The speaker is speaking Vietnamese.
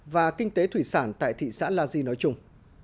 và kinh tế thủy sản tại thị xã la di nói chung